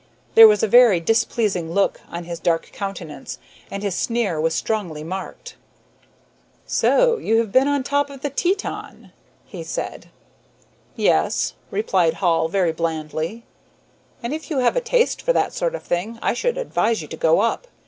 There was a very displeasing look on his dark countenance, and his sneer was strongly marked. "So you have been on top of the Teton?" he said. "Yes," replied Hall, very blandly, "and if you have a taste for that sort of thing I should advise you to go up.